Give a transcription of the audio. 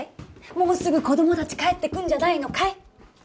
もうすぐ子供達帰ってくんじゃないのかい？